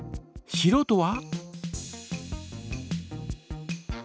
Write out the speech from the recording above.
しろうとは？